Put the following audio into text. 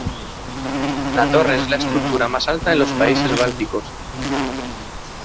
La torre es la estructura más alta en los países bálticos.